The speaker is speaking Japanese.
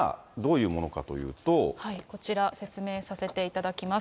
こちら、説明させていただきます。